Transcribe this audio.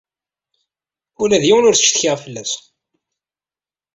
Ula d yiwen ur ttcetkiɣ fell-as.